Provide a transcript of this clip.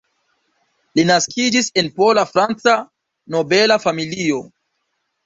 Li naskiĝis en pola-franca nobela familio.